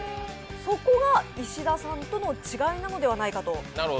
そこが石田さんとの違いなのではないかと。